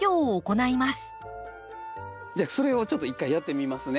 じゃあそれをちょっと一回やってみますね。